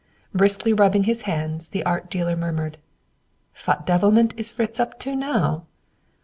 Briskly rubbing his hands, the art dealer murmured "Vot devilment is Fritz up to, now?"